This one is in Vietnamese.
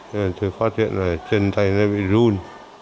thế nên là tôi phát hiện là chân tay nó bị run